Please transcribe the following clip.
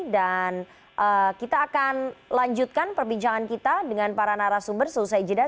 dan kita akan lanjutkan perbincangan kita dengan para narasumber selesai jeda